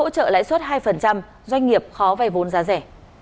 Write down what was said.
hai doanh nghiệp khó về vốn giá rẻ